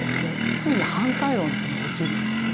すぐに反対論というのが起きるんですね。